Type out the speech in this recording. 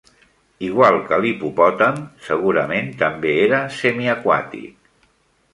Igual que l'hipopòtam, segurament també era semiaquàtic.